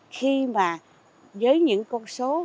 khi mà với những con số